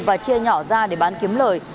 và chia nhỏ ra để bán kiếm lợi